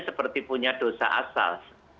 seperti punya dosa asal